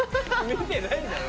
見てないんだろ？